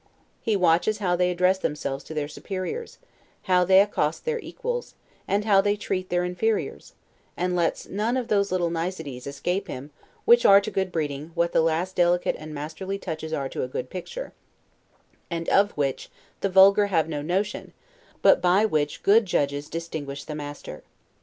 He watches how they address themselves to their superiors, how they accost their equals, and how they treat their inferiors; and lets none of those little niceties escape him which are to good breeding what the last delicate and masterly touches are to a good picture; and of which the vulgar have no notion, but by which good judges distinguish the master.